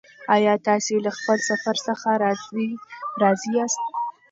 ایا تاسې له خپل سفر څخه راضي یاست؟